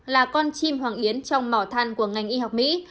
là con chim hoàng yến trong mỏ than của ngành y học mỹ